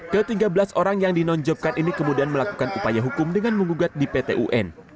ketiga belas orang yang dinonjopkan ini kemudian melakukan upaya hukum dengan mengugat di pt un